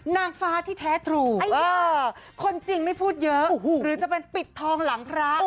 นางฟ้าที่แท้ทรูคนจริงไม่พูดเยอะหรือจะเป็นปิดทองหลังพระ